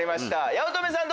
八乙女さん